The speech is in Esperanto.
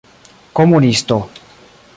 komunisto